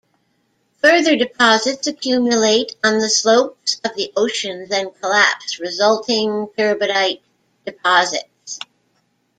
Further deposits accumulate on the slopes of the oceans and collapse resulting Turbidite deposits.